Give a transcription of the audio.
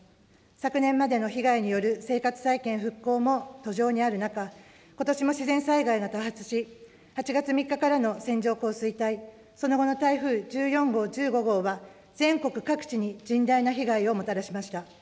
昨年までの被害による生活再建・復興も途上にある中、ことしも自然災害が多発し、８月３日からの線状降水帯、その後の台風１４号、１５号は、全国各地に甚大な被害をもたらしました。